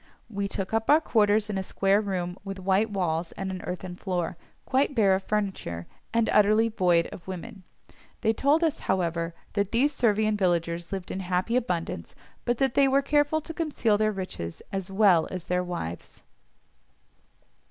We took up our quarters in a square room with white walls and an earthen floor, quite bare of furniture, and utterly void of women. They told us, however, that these Servian villagers lived in happy abundance, but that they were careful to conceal their riches, as well as their wives.